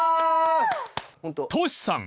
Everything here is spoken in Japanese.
［トシさん